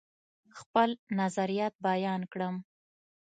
خپل نظریات بیان کړم.